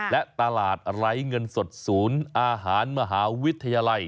และตลาดไร้เงินสดศูนย์อาหารมหาวิทยาลัย